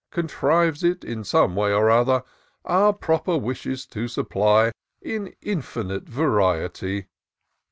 Contrives it in some way or other. Our proper wishes to supply In infinite variety.